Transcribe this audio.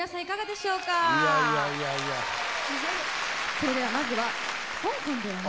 それではまずは香港ではなく。